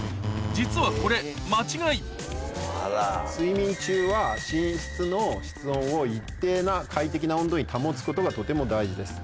実はこれ間違い睡眠中は寝室の室温を一定な快適な温度に保つことがとても大事です。